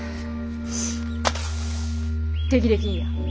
手切れ金や。